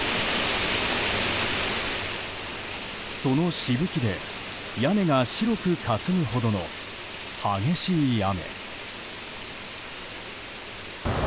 そのしぶきで、屋根が白くかすむほどの激しい雨。